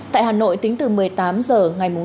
tại hà nội tính từ một mươi tám h ngày một mươi